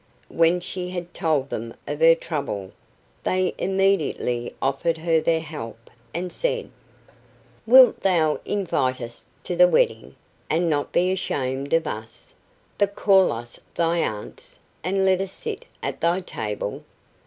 When she had told them of her trouble, they immediately offered her their help, and said: "Wilt thou invite us to the wedding, and not be ashamed of us, but call us thy aunts, and let us sit at thy table?